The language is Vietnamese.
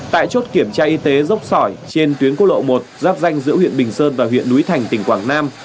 tại chốt kiểm tra y tế dốc sỏi trên tuyến quốc lộ một giáp danh giữa huyện bình sơn và huyện núi thành tỉnh quảng nam